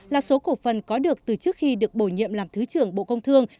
là số cổ phần có được từ trước khi được bổ nhiệm làm thứ trưởng bộ công thương